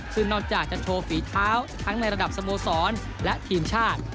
ซึ่งนอกจากจะโชว์ฝีเท้าทั้งในระดับสโมสรและทีมชาติ